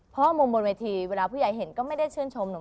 เพราะมุมบนเวทีเวลาผู้ใหญ่เห็นก็ไม่ได้ชื่นชมหนู